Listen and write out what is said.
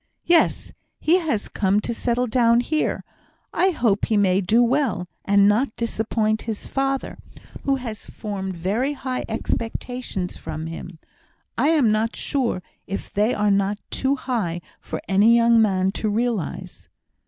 "Yes. He has come to settle down here. I hope he may do well, and not disappoint his father, who has formed very high expectations from him; I am not sure if they are not too high for any young man to realise."